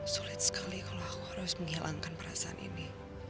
sulit sekali kalau aku harus menghilangkan perasaan ini